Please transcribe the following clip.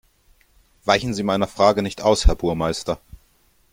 Weichen Sie meiner Frage nicht aus, Herr Burmeister!